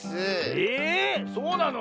えそうなの？